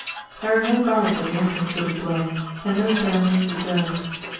There are no guards at the entrance to the dwelling, and no ceremony is observed.